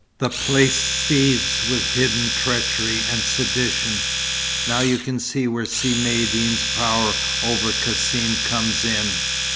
The place seethes with hidden treachery and sedition. Now you can see where Si Maïeddine's power over Cassim comes in.